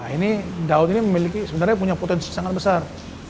ini daud ini memiliki sebenarnya punya potensi sangat besar